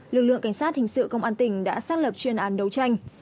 lực lượng cảnh sát hình sự công an tỉnh đã xác lập chuyên án đấu tranh